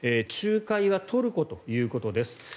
仲介はトルコということです。